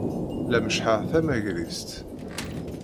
La meccḥeɣ tamagrist.